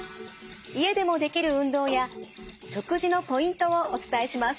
家でもできる運動や食事のポイントをお伝えします。